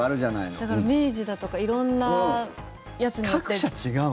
だから、明治だとか色んなやつによって。各社違うの？